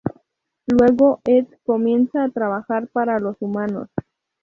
Luego, Ed comienza a trabajar para los humanos.